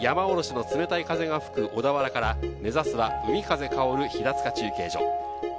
山おろしの冷たい風が吹く小田原から、目指すは海風香る平塚中継所。